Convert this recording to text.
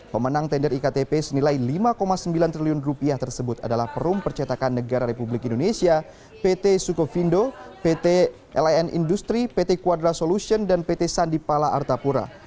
pemenang tender iktp senilai lima sembilan triliun rupiah tersebut adalah perum percetakan negara republik indonesia pt sukovindo pt lan industri pt quadra solution dan pt sandipala artapura